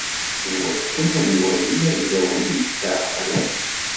Iwakken ad iwali ma yella win yetɛeqqlen.